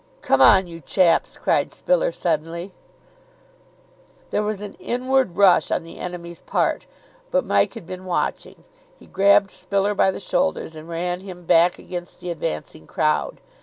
"Come on, you chaps," cried Spiller suddenly. There was an inward rush on the enemy's part, but Mike had been watching. He grabbed Spiller by the shoulders and ran him back against the advancing crowd.